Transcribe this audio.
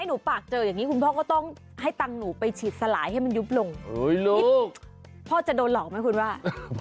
อ๋ออย่างนั้นคุณหญิงอย่าหยุดสวย